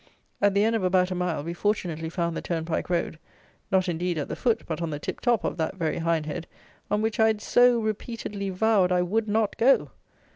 At the end of about a mile, we fortunately found the turnpike road; not, indeed, at the foot, but on the tip top of that very Hindhead, on which I had so repeatedly vowed I would not go!